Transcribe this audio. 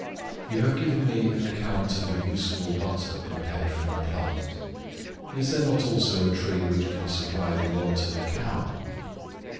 You have given me an account of a useful Butter prepared from a plant; is there not also a tree which can supply the want of a cow?